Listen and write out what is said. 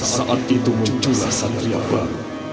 saat itu muncullah satria baru